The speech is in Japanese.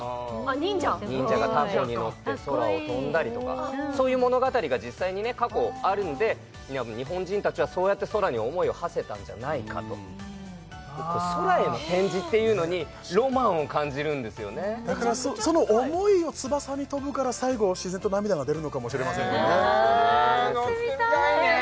忍者忍者がたこに乗って空を飛んだりとかそういう物語が実際にね過去あるんで日本人達はそうやって空に思いをはせたんじゃないかと結構空への展示っていうのにロマンを感じるんですよねだからその思いを翼に飛ぶから最後自然と涙が出るのかもしれませんよねそうなんですよね